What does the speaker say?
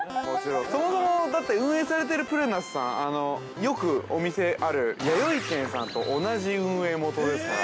◆そもそもだって運営されているプレナスさん、よくお店あるやよい軒さんと同じ運営元ですから。